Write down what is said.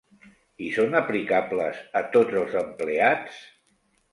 I són aplicables a tots els empleats?